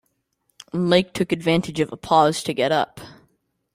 Mike took advantage of a pause to get up.